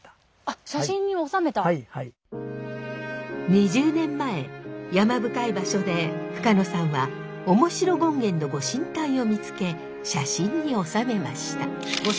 ２０年前山深い場所で深野さんは面白権現の御神体を見つけ写真に収めました。